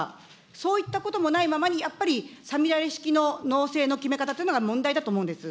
そういったこともないままに、やっぱりさみだれ式の農政の決め方というのが問題だと思うんです。